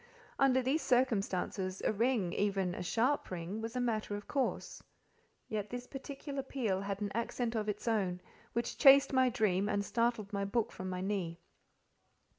Under these circumstances, a ring—even a sharp ring—was a matter of course: yet this particular peal had an accent of its own, which chased my dream, and startled my book from my knee.